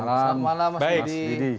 selamat malam mas didi